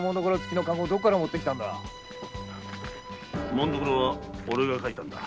紋所は俺が書いたんだ。